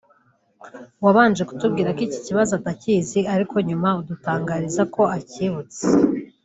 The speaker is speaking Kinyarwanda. wabanje kutubwira ko iki kibazo atakizi ariko nyuma adutangariza ko acyibutse